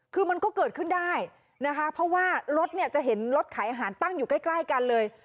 คือมันก็เกิดขึ้นได้นะคะเพราะว่ารถเนี่ยจะเห็นรถขายอาหารตั้งอยู่ใกล้กันเลย